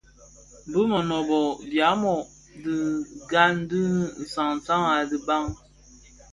Bi Rimoh (Biamo) et Gahn bi sansan a dimbag.